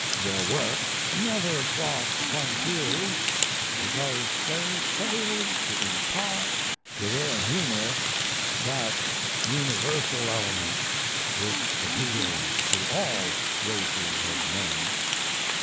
Their work never crossed frontiers because they failed to impart to their humour that universal element which appeals to all races of men.